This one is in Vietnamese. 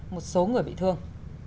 một số người bị thương